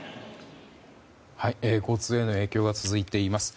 交通への影響が続いています。